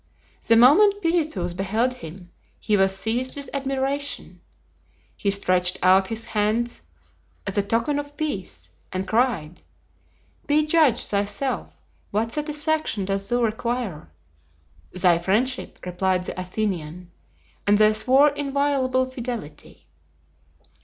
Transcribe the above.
The moment Pirithous beheld him, he was seized with admiration; he stretched out his hand as a token of peace, and cried, "Be judge thyself what satisfaction dost thou require?" "Thy friendship," replied the Athenian, and they swore inviolable fidelity.